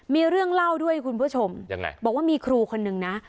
มีเรื่องเล่าด้วยคุณผู้ชมยังไงบอกว่ามีครูคนนึงนะ